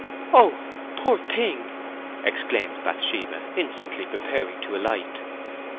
"Oh, poor thing!" exclaimed Bathsheba, instantly preparing to alight.